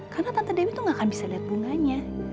karena tante dewi itu nggak akan bisa lihat bunganya